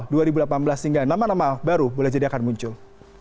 sehingga nama nama baru boleh jadi akan muncul